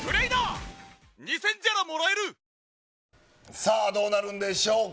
さあ、どうなるんでしょうか。